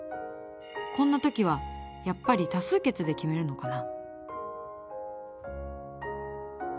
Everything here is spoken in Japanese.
こんな時はやっぱり多数決で決めるのかな？